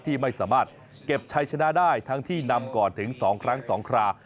ที่ไม่สามารถเก็บชัยชนะได้ทั้งที่นำก่อนถึง๒ครั้ง๒ครา